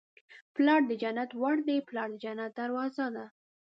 پلار د جنت ور دی. پلار د جنت دروازه ده